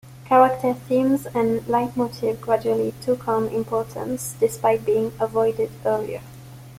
Character themes and leitmotifs gradually took on importance, despite being avoided earlier.